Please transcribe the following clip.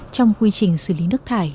trong quy trình xử lý nước thải